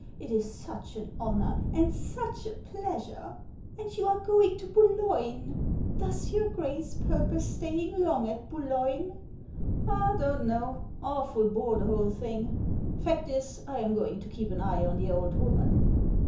It is such an honour, and such a pleasure. And you are going to Boulogne? Does your Grace purpose staying long at Boulc^^e? " Don't know. Awful bore, the whole thing. Fact is, I'm going to keep an eye on the old woman.'